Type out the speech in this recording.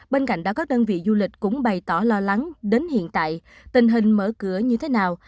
bên cạnh đó các đơn vị du lịch cũng bày tỏ lo lắng đến hiện tại tình hình mở cửa như thế nào